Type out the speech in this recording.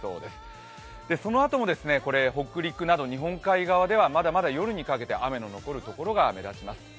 そのあとも北陸など日本海側では、まだまだ夜にかけて雨の残るところが目立ちます。